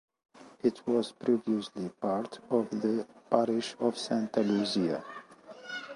It was previously part of the parish of Santa Luzia.